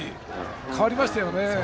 変わりましたよね。